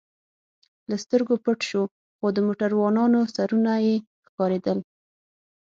له سترګو پټ شو، خو د موټروانانو سرونه یې ښکارېدل.